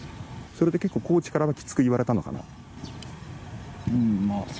それで結構、コーチからもきつく言われたのかな。